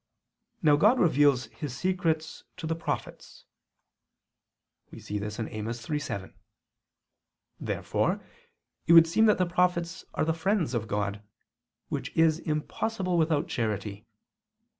Now God reveals His secrets to the prophets (Amos 3:7). Therefore it would seem that the prophets are the friends of God; which is impossible without charity.